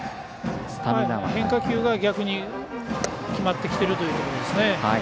変化球が逆に決まってきているというところです。